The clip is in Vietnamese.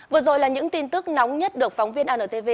vừa rồi là những tin tức nóng nhất được phóng viên antv